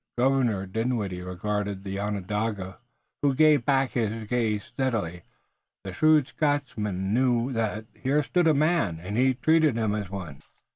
Governor Dinwiddie regarded the Onondaga, who gave back his gaze steadily. The shrewd Scotchman knew that here stood a man, and he treated him as one.